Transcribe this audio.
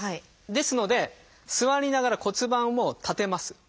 ですので座りながら骨盤を立てます。